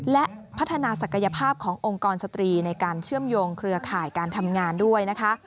และพัฒนาศักยภาพขององค์กรสตรีในการเชื่อมโยงเครือข่ายการทำงานด้วยนะคะ